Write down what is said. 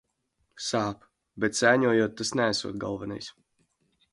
Sāp, bet sēņojot tas neesot galvenais.